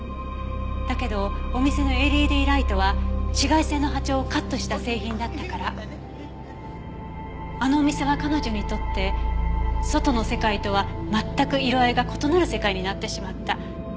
だけどお店のＬＥＤライトは紫外線の波長をカットした製品だったからあのお店は彼女にとって外の世界とは全く色合いが異なる世界になってしまった。